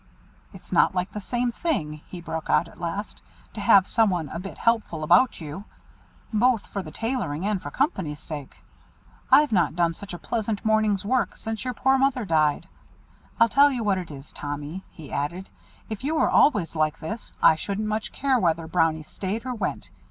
"It's not like the same thing," he broke out at last, "to have some one a bit helpful about you; both for the tailoring and for company's sake. I've not done such a pleasant morning's work since your poor mother died. I'll tell you what it is, Tommy," he added, "if you were always like this, I shouldn't much care whether Brownie stayed or went.